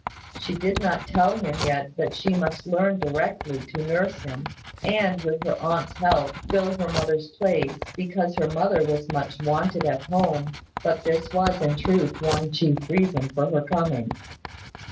She did not tell him yet that she must learn directly to nurse him, and, with her aunt's help, fill her mother's place, because her mother was much wanted at home: but this was in truth one chief reason for her coming.